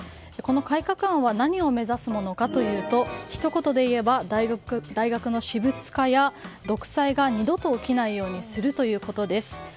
この改革案は何を目指すものかというとひと言で言うと大学の私物化や独裁が二度と起きないようにするということです。